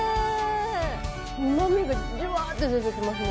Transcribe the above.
うまみがじゅわって出てきますね。